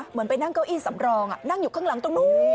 ไปนั่งเก้าอี้สำรองนั่งอยู่ข้างหลังตรงนู้น